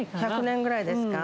１００年ぐらいですか。